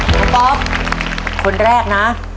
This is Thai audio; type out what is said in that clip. น้องป๊อปคนแรกนะ